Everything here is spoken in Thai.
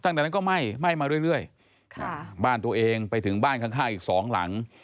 ตั้งแต่นั้นก็ไหม้ไหม้มาเรื่อยบ้านตัวเองไปถึงบ้านข้างอีกสองหลัง